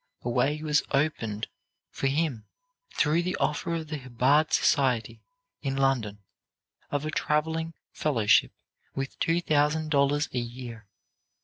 A way was opened for him, through the offer of the Hibbard Society, in London, of a traveling fellowship with two thousand dollars a year.